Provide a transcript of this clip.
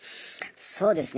そうですね。